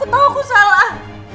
aku tau aku salah